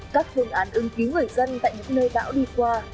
các phương án ưng ký người dân tại những nơi bão đi qua